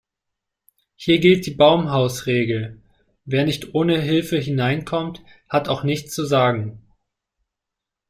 Hier gilt die Baumhausregel: Wer nicht ohne Hilfe hineinkommt, hat auch nichts zu sagen.